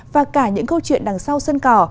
và cả những câu chuyện đằng sau sân cỏ